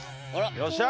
・よっしゃ！